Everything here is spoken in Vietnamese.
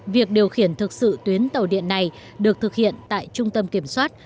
việc điều khiển thực sự tuyến tàu điện này được thực hiện tại trung tâm kiểm soát